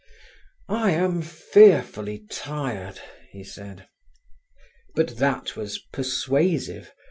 "I am fearfully tired," he said. But that was persuasive.